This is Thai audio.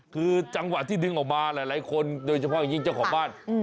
คือจังหวะที่ดึงออกมาหลายคนโดยเฉพาะอย่างยิ่งเจ้าของบ้าน